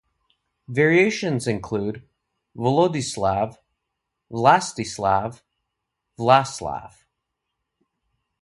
Variations include "Volodislav", "Vlastislav", "Vlaslav".